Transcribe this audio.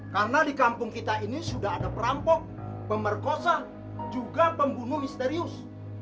karena di kampung kita ini sudah ada perampok pemerkosa juga pembunuh misterius